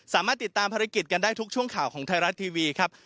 สามารถติดตามภารกิจกันได้ทุกช่วงข่าวของไทยรัฐทีวีครับ